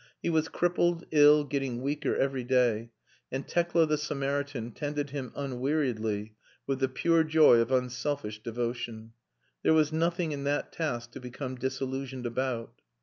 He was crippled, ill, getting weaker every day, and Tekla the Samaritan tended him unweariedly with the pure joy of unselfish devotion. There was nothing in that task to become disillusioned about.